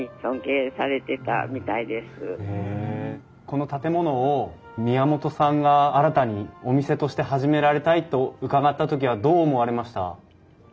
この建物を宮本さんが新たにお店として始められたいと伺った時はどう思われました？